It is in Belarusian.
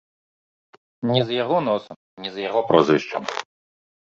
Не з яго носам, не з яго прозвішчам.